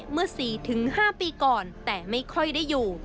เมื่อ๔๕ปีก่อนแต่ไม่ค่อยได้อยู่